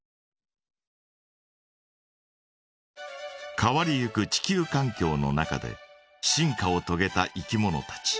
変わりゆく地球かん境の中で進化をとげたいきものたち。